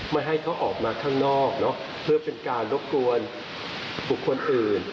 ไม่ให้เขาออกมาข้างนอกเพื่อเป็นการรบกวนบุคคลอื่น